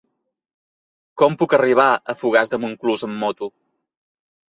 Com puc arribar a Fogars de Montclús amb moto?